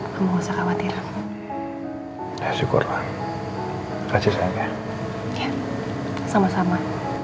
kamu usah khawatir ya syukurlah kasih sayangnya sama sama